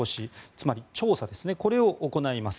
つまり、調査を行います。